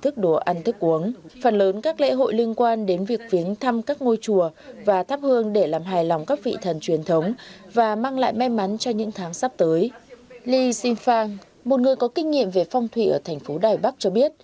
trong những tháng sắp tới li xinfang một người có kinh nghiệm về phong thủy ở thành phố đài bắc cho biết